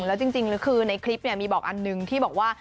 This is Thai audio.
แล้วจริงคือในคลิปมีบอกอันหนึ่งที่บอกว่า